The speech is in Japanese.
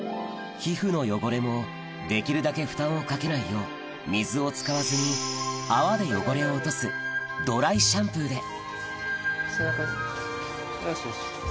皮膚の汚れもできるだけ負担をかけないよう水を使わずに泡で汚れを落とすドライシャンプーで背中よしよし。